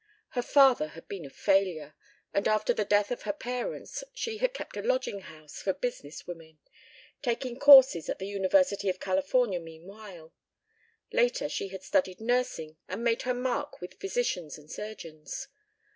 Her father had been a failure, and after the death of her parents she had kept a lodging house for business women, taking courses at the University of California meanwhile; later she had studied nursing and made her mark with physicians and surgeons.